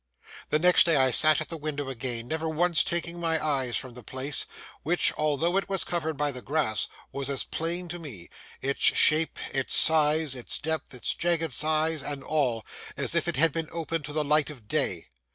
The next day I sat at the window again, never once taking my eyes from the place, which, although it was covered by the grass, was as plain to me—its shape, its size, its depth, its jagged sides, and all—as if it had been open to the light of day.